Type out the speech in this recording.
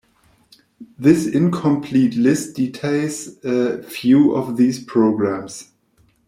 This incomplete list details a few of these programs.